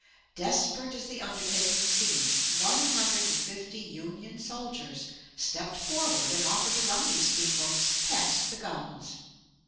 Desperate as the undertaking seemed, one hundred and fifty Union soldiers stepped forward and offered to run these steamboats past the guns.